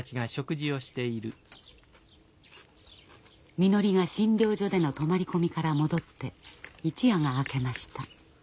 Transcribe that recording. みのりが診療所での泊まり込みから戻って一夜が明けました。